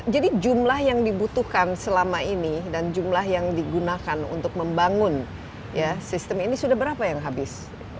jadi jumlah yang dibutuhkan selama ini dan jumlah yang digunakan untuk membangun sistem ini sudah berapa yang habis